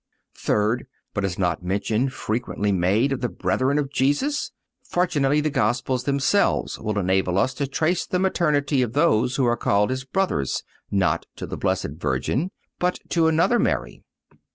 (228) Third—But is not mention frequently made of the brethren of Jesus?(229) Fortunately the Gospels themselves will enable us to trace the maternity of those who are called His brothers, not to the Blessed Virgin, but to another Mary.